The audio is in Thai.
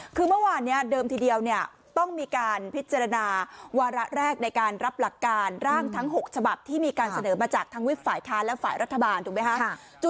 คือเมื่อวานนี้เดิมทีเดียวเนี่ยต้องมีการพิจารณาวาระแรกในการรับหลักการร่างทั้ง๖ฉบับที่มีการเสนอมาจากทั้งวิบฝ่ายค้านและฝ่ายรัฐบาลถูกไหมคะ